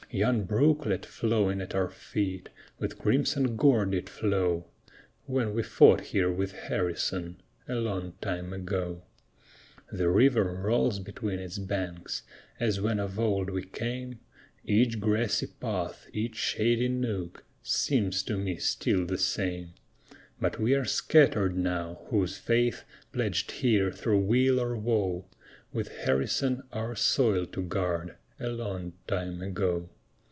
Yon brooklet flowing at our feet, With crimson gore did flow, When we fought here with Harrison, A long time ago. The river rolls between its banks, As when of old we came, Each grassy path, each shady nook, Seems to me still the same; But we are scatter'd now, whose faith Pledged here, through weal or woe, With Harrison our soil to guard, A long time ago.